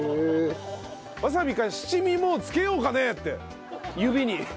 「ワサビか七味もうつけようかね？」って指に。